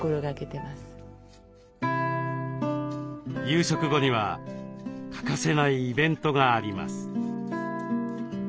夕食後には欠かせないイベントがあります。